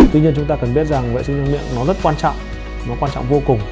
tuy nhiên chúng ta cần biết rằng vệ sinh miệng nó rất quan trọng nó quan trọng vô cùng